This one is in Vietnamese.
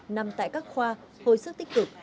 nằm tại các khoa hồi sức tích cực